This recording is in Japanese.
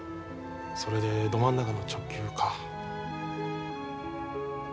それでど真ん中の直球か。